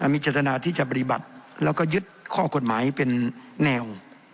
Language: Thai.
มีเจตนาที่จะปฏิบัติแล้วก็ยึดข้อกฎหมายเป็นแนว